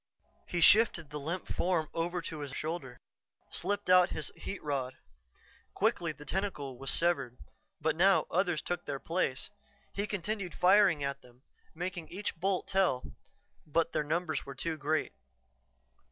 He shifted the limp form over to his shoulder, slipped out his heat rod. Quickly the tentacle was severed. But now others took their place; he continued firing at them, making each bolt tell, but the numbers were too great.